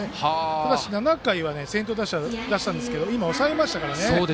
ただし７回は先頭打者出したんですけど今、抑えましたからね。